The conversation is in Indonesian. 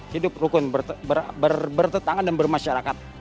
hidup rukun bertetangan dan bermasyarakat